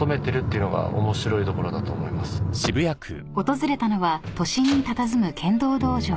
［訪れたのは都心にたたずむ剣道道場］